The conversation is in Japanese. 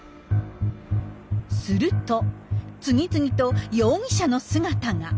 すると次々と容疑者の姿が。